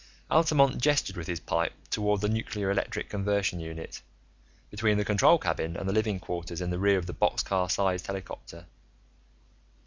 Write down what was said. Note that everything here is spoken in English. Altamont gestured with his pipe toward the nuclear electric conversion unit, between the control cabin and the living quarters in the rear of the boxcar sized helicopter.